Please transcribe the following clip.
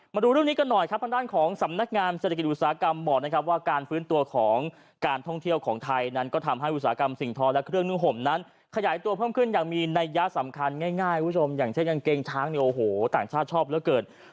มาดูเรื่องนี้กันหน่อยครับทางด้านของสำนักงานเศรษฐกิจอุตสาหกรรมบอกนะครับว่าการฟื้นตัวของการท่องเที่ยวของไทยนั้นก็ทำให้อุตสาหกรรมสิ่งท้อและเครื่องนุ่งห่มนั้นขยายตัวเพิ่มขึ้นอย่างมีนัยยะสำคัญง่ายคุณผู้ชมอย่างเช่นกางเกงช้างเนี่ยโอ้โหต่างชาติชอบเหลือเกิน